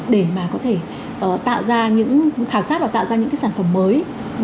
để mà có thể tạo ra những khảo sát và tạo ra những sản phẩm mới